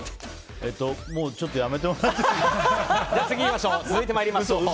もう、ちょっとやめてもらっていいですか。